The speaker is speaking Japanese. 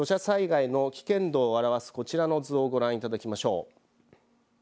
土砂災害の危険度を表すこちらの図をご覧いただきましょう。